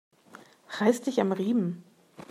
Reiß dich am Riemen!